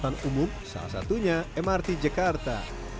dan menemukan anggota umum salah satunya mrt jakarta